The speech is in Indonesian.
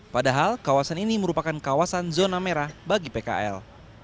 padahal kawasan ini merupakan kawasan zona merah bagi pkl